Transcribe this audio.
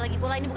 terima kasih pak